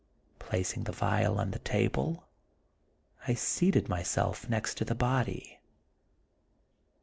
Placing the vial on the table, I seated myself near the body.